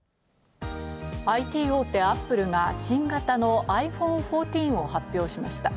ＩＴ大手Ａｐｐｌｅが新型のｉＰｈｏｎｅ１４を発表しました。